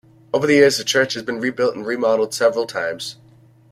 Over the years the church has been rebuilt and remodeled several times.